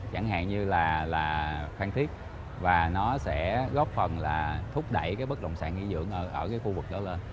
chẳng hạn như là khăn thiết và nó sẽ góp phần là thúc đẩy cái bất động sản nghỉ dưỡng ở cái khu vực đó lên